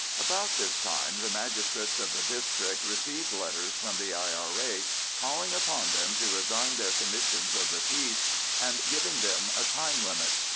About this time the magistrates of the district received letters from the I.R.A. calling upon them to resign their Commissions of the Peace, and giving them a time limit.